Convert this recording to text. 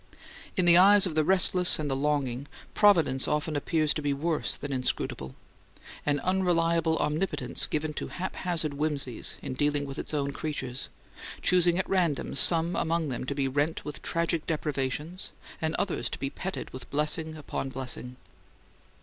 In the eyes of the restless and the longing, Providence often appears to be worse than inscrutable: an unreliable Omnipotence given to haphazard whimsies in dealing with its own creatures, choosing at random some among them to be rent with tragic deprivations and others to be petted with blessing upon blessing.